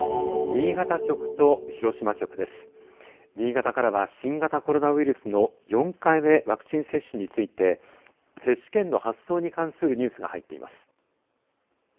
新潟からは新型コロナウイルスの４回目ワクチン接種について接種券の発送に関するニュースが入っています。